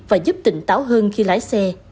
và giúp tỉnh táo hơn khi lái xe